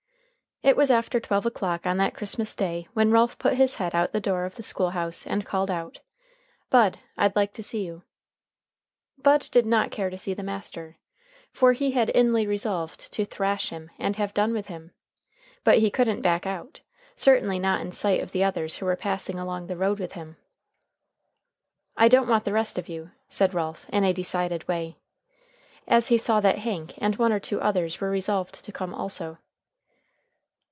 It was after twelve o'clock on that Christmas day when Ralph put his head out the door of the school house and called out: "Bud, I'd like to see you." Bud did not care to see the master, for he had inly resolved to "thrash him" and have done with him. But he couldn't back out, certainly not in sight of the others who were passing along the road with him. "I don't want the rest of you," said Ralph in a decided way, as he saw that Hank and one or two others were resolved to come also.